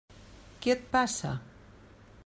Què et passa?